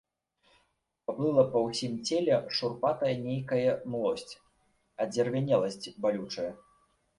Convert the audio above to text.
Паплыла па ўсім целе шурпатая нейкая млосць, адзервянеласць балючая.